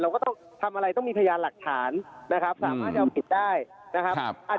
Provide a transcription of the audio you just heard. ก็ต้องทำอะไรต้องมีพยานหลักฐานนะครับสามารถจะเอาผิดได้นะครับ